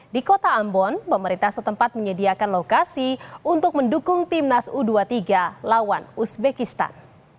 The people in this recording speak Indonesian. di kota ambon pemerintah setempat menyediakan lokasi untuk mendukung timnas u dua puluh tiga lawan uzbekistan